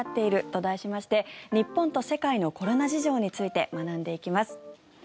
と題しまして日本と世界のコロナ事情について学んでいきます。